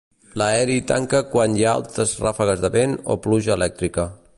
L'Aeri tanca quan hi ha altes ràfegues de vent o pluja elèctrica.